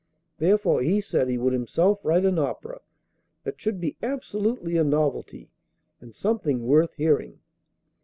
Therefore he said he would himself write an opera that should be absolutely a novelty and something worth hearing.